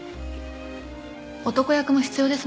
男役も必要ですもの。